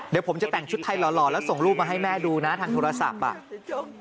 เดี๋ยวผมจะแต่งชุดไทยหล่อแล้วส่งรูปมาให้แม่ดูนะทางโทรศัพท์อ่ะ